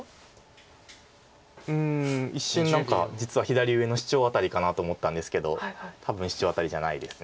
うん一瞬何か実は左上のシチョウアタリかなと思ったんですけど多分シチョウアタリじゃないです。